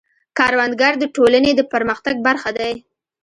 کروندګر د ټولنې د پرمختګ برخه دی